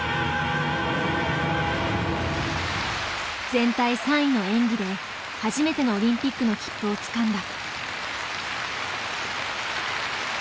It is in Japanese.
全体３位の演技で初めてのオリンピックの切符をつかんだ。